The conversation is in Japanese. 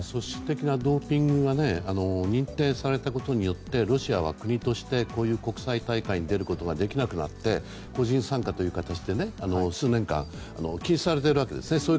私的なドーピングが認定されたことによってロシアは国として国際大会に出ることはできなくなって個人参加ということで、数年間禁止されているわけですね。